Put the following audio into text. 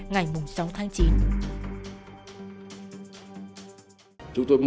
ngày sáu tháng chín